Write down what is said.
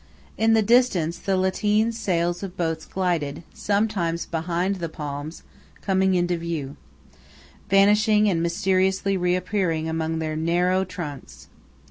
In the distance the lateen sails of boats glided, sometimes behind the palms, coming into view, vanishing and mysteriously reappearing among their narrow trunks.